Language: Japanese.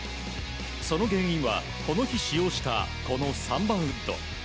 その原因はこの日使用したこの３番ウッド。